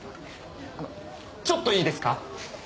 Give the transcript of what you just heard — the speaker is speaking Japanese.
あのちょっといいですか？